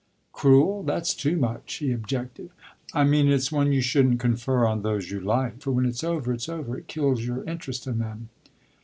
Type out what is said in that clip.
"Cruel that's too much," he objected. "I mean it's one you shouldn't confer on those you like, for when it's over it's over: it kills your interest in them.